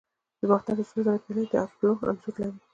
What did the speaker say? د باختر د سرو زرو پیالې د اپولو انځور لري